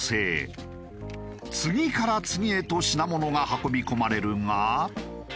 次から次へと品物が運び込まれるが。